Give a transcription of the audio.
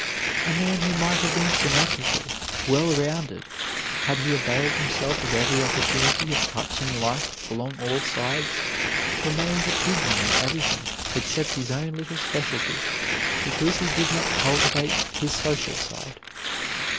A man who might have been symmetrical, well rounded, had he availed himself of every opportunity of touching life along all sides, remains a pygmy in everything except his own little specialty, because he did not cultivate his social side.